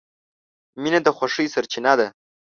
• مینه د خوښۍ سرچینه ده.